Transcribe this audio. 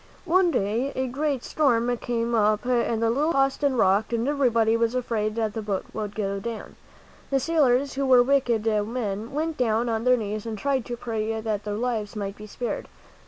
One day a great storm came up and the little ship tossed and rocked and everybody was afraid that the boat would go down. The sailors, who were wicked men, went down on their knees and tried to pray that their lives might be spared.